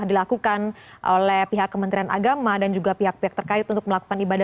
hanya dari hotel